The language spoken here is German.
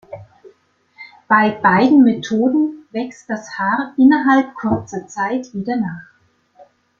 Bei beiden Methoden wächst das Haar innerhalb kurzer Zeit wieder nach.